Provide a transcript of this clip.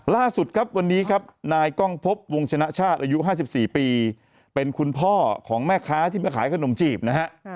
ล่าสุดครับวันนี้ครับนายกล้องพบวงชนะชาติอายุ๕๔ปีเป็นคุณพ่อของแม่ค้าที่มาขายขนมจีบนะฮะ